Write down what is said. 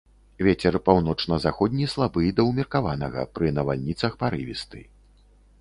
Вецер паўночна-заходні слабы да ўмеркаванага, пры навальніцах парывісты.